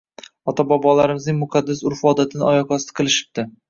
Ota-bobolarimizning muqaddas urf-odatini oyoq osti qilishibdi.